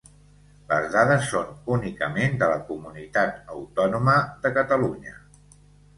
Les dades són únicament de la Comunitat Autònoma de Catalunya.